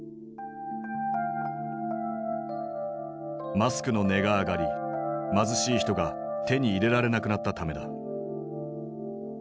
マスクの値が上がり貧しい人が手に入れられなくなったためだ。